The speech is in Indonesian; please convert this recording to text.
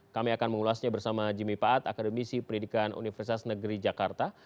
kami akan mengulasnya bersama jimmy paat akademisi pendidikan universitas negeri jakarta